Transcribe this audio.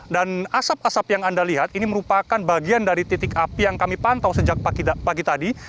asap asap yang anda lihat ini merupakan bagian dari titik api yang kami pantau sejak pagi tadi